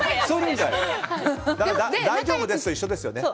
「大丈夫です」と一緒ですよね。